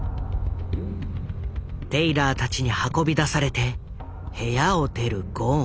テイラーたちに運び出されて部屋を出るゴーン。